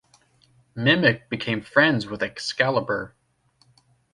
Mimic became friends with Excalibur.